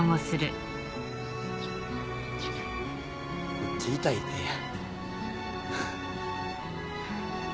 こっち痛い手や。